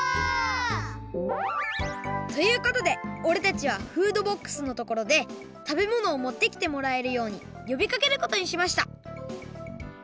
オ！ということでおれたちはフードボックスのところで食べ物を持ってきてもらえるようによびかけることにしました